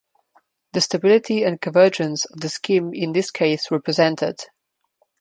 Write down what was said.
The stability and convergence of the scheme in this case were presented.